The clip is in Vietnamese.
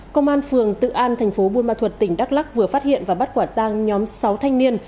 công an phường tự an thành phố buôn ma thuật tỉnh đắk lắc vừa phát hiện và bắt quả tang nhóm sáu thanh niên